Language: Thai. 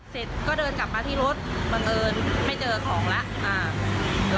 เสร็จก็เดินกลับมาที่รถบังเอิญไม่เจอของแล้ว